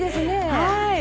はい！